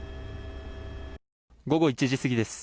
午後１時過ぎです。